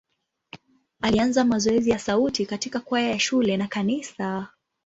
Alianza mazoezi ya sauti katika kwaya ya shule na kanisa.